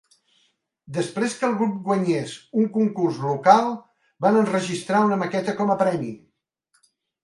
Després que el grup guanyés un concurs local, van enregistrar una maqueta com a premi.